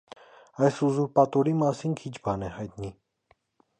Այս ուզուրպատորի մասին քիչ բան է հայտնի։